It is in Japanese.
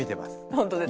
本当ですね。